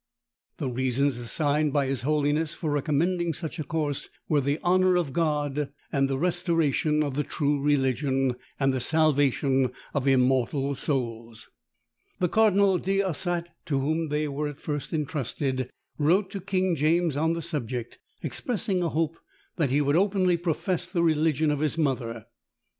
The reasons assigned by his holiness for recommending such a course, were the honour of God, the restoration of the true religion, and the salvation of immortal souls. The Cardinal D'Ossat, to whom they were at first entrusted, wrote to King James on the subject, expressing a hope that he would openly profess the religion of his mother.